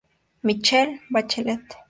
Michelle Bachelet.